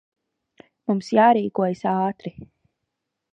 Mums jārīkojas ātri.